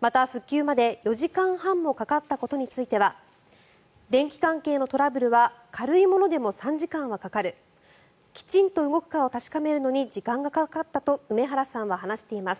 また、復旧まで４時間半もかかったことについては電気関係のトラブルは軽いものでも３時間はかかるきちんと動くかを確かめるのに時間がかかったと梅原さんは話しています。